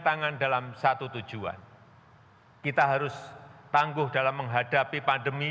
jangan lupa untuk berkongsi dengan kami